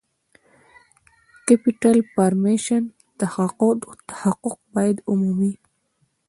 د Capital Formation تحقق باید ومومي.